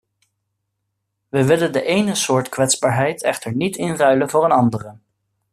We willen de ene soort kwetsbaarheid echter niet inruilen voor een andere.